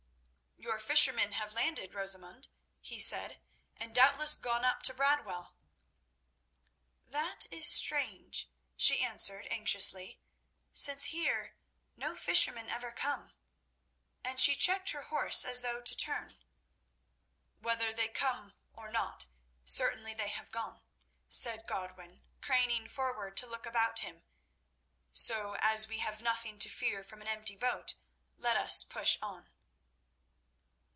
"Your fishermen have landed, Rosamund," he said, "and doubtless gone up to Bradwell." "That is strange," she answered anxiously, "since here no fishermen ever come." And she checked her horse as though to turn. "Whether they come or not, certainly they have gone," said Godwin, craning forward to look about him; "so, as we have nothing to fear from an empty boat, let us push on."